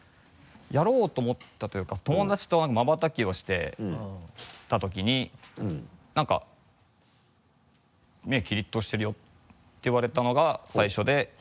やろうと思ったというか友達とまばたきをしてた時になんか「目キリッとしてるよ」って言われたのが最初で。